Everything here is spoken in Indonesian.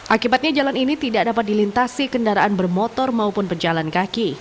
akibatnya jalan ini tidak dapat dilintasi kendaraan bermotor maupun pejalan kaki